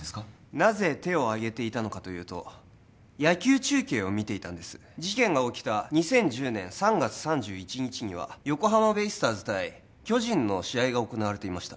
なぜ手をあげていたのかというと野球中継を見ていたんです事件が起きた２０１０年３月３１日には横浜ベイスターズ対巨人の試合が行われていました